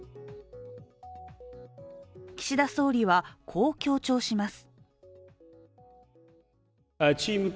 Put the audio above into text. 岸田総理は、こう強調します。